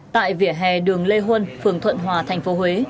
tại vỉa hè đường lê huân phường thuận hòa tp huế